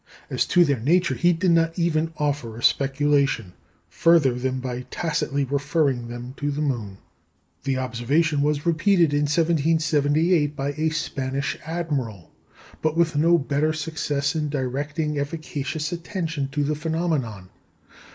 As to their nature, he did not even offer a speculation, further than by tacitly referring them to the moon. The observation was repeated in 1778 by a Spanish Admiral, but with no better success in directing efficacious attention to the phenomenon.